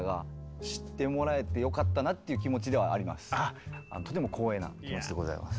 よりとても光栄な気持ちでございます。